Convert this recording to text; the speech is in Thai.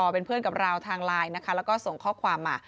เป็นเพื่อนกับเราทางไลน์นะคะแล้วก็ส่งข้อความมา